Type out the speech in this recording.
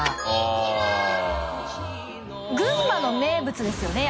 群馬の名物ですよね？